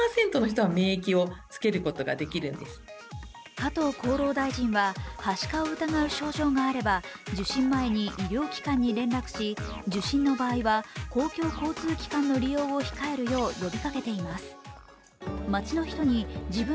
加藤厚労大臣は、はしかを疑う症状があれば受診前に医療機関に連絡し、受診の場合は公共交通機関の利用を控えるよう呼びかけています。